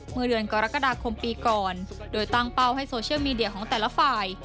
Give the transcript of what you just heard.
เมื่อเดือนกรกฎาคมปีก่อนโดยตั้งเป้าให้โซเชียลมีเดียของแต่ละฝ่าย